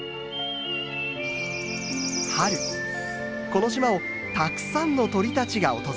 春この島をたくさんの鳥たちが訪れます。